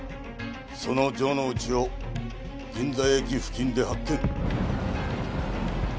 その城之内を銀座駅付近で発見。